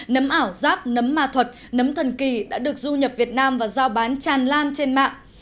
nấm ảo giác nấm ma thuật nấm thần kỳ đã được du nhập việt nam và giao bán tràn lan trên mạng